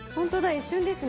一瞬ですね。